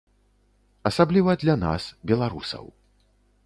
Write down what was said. Асабліва для нас, беларусаў.